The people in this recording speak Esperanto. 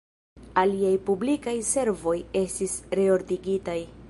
Aliaj publikaj servoj estis “reordigitaj.